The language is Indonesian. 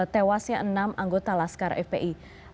tewasnya enam anggota laskar fpi